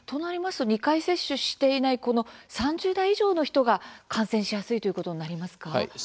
２回接種していない３０代以上の人たちが感染しやすいということになりますか。